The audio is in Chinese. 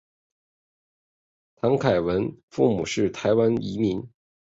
谭凯文父母都是台湾移民。